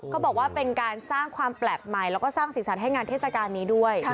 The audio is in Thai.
เขาบอกว่าเป็นการสร้างความแปลกใหม่แล้วก็สร้างสีสันให้งานเทศกาลนี้ด้วย